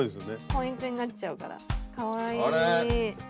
ポイントになっちゃうからかわいい。